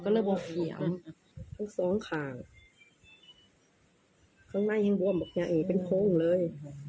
ของไข้พวงบะเงี๊ยงเป็นโพงเลย